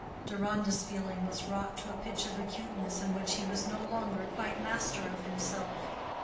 Deronda's feeling was wrought to a pitch of acuteness in which he was no longer quite master of himself.